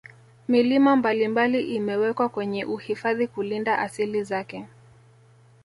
Milima mbalimbali imewekwa kwenye uhifadhi kulinda asili zake